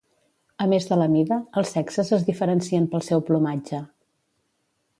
A més de la mida, els sexes es diferencien pel seu plomatge.